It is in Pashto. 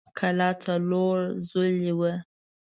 کلا څلور ضلعۍ وه.